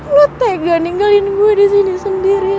lo tega ninggalin gue disini sendiri ya